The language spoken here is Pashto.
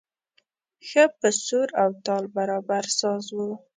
ښه په سور او تال برابر ساز و.